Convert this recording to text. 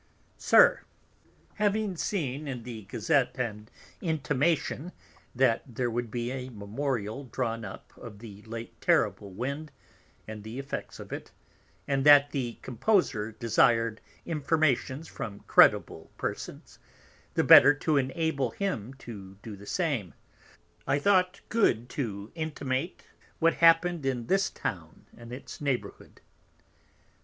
SIR, Having seen in the Gazette an Intimation, that there would be a Memorial drawn up of the late terrible Wind, and the Effects of it, and that the Composer desired Informations from credible Persons, the better to enable him to do the same, I thought good to intimate what happen'd in this Town, and its Neighbourhood.